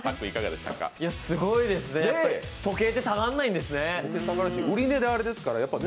すごいですね、時計って下がらないんですね。